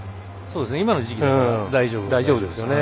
今の時期なら大丈夫ですよね。